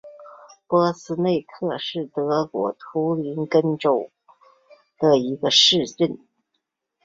珀斯内克是德国图林根州的一个市镇。